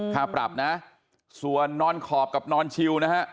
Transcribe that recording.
ค่าปรับนะส่วนนอนขอบกับนอนชิวนะฮะ